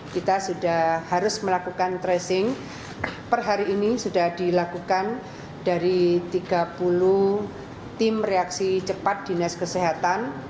kita sudah harus melakukan tracing per hari ini sudah dilakukan dari tiga puluh tim reaksi cepat dinas kesehatan